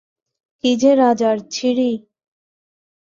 কী যে রাজার ছিরি!